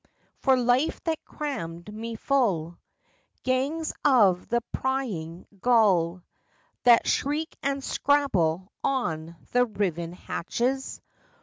For life that crammed me full, Gangs of the prying gull That shriek and scrabble on the riven hatches.